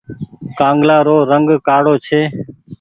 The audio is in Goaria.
ڪآنگلآ رو رنگ ڪآڙو ڇي۔